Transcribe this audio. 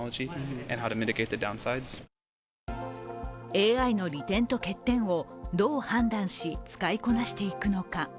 ＡＩの利点と欠点をどう判断し使いこなしていくのか。